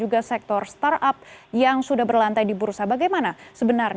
baik untuk tahun dua ribu dua puluh dua ini sheryl apa saja yang anda inginkan